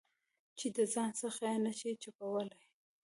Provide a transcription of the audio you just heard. چې د ځان څخه یې نه شې چپولای.